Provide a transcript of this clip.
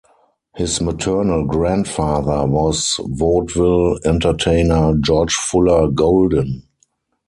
His maternal grandfather was vaudeville entertainer George Fuller Golden.